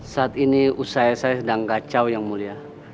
saat ini usia saya sedang kacau yang mulia